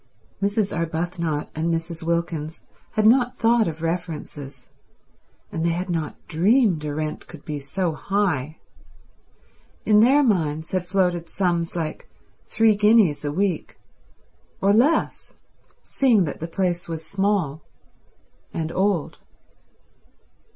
Mrs. Arbuthnot and Mrs. Wilkins had not thought of references, and they had not dreamed a rent could be so high. In their minds had floated sums like three guineas a week; or less, seeing that the place was small and old.